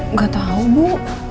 nggak tau bu